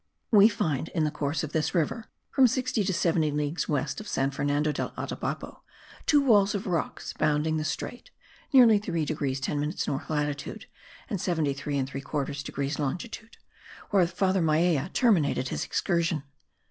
We find in the course of this river, from 60 to 70 leagues west of San Fernando del Atabapo, two walls of rocks bounding the strait (nearly 3 degrees 10 minutes north latitude and 73 3/4 degrees longitude) where father Maiella terminated his excursion.